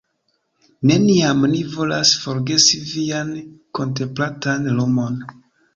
Neniam ni volas forgesi vian kontemplatan Lumon.